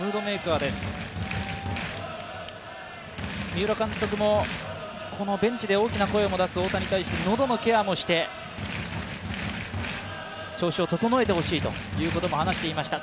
三浦監督もこのベンチで大きな声も出す大田に対してのどのケアもして、調子を整えてほしいということも話していました。